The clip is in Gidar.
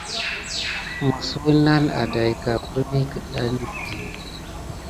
Məs wouna nà aɗaïka virmi keɗani.